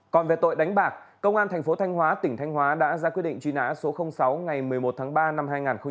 còn về tội đánh bạc công an thành phố thanh hóa tỉnh thanh hóa đã ra quyết định truy nã số sáu ngày một mươi một tháng ba năm hai nghìn một mươi bảy